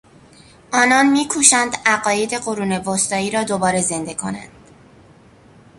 آنان میکوشند عقاید قرون وسطایی را دوباره زنده کنند.